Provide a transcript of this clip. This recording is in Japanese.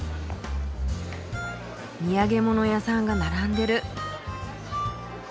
土産物屋さんが並んでる。